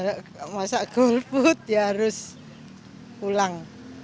ya masa gold food ya harus pulang